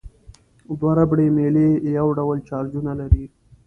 دوه ربړي میلې یو ډول چارجونه لري.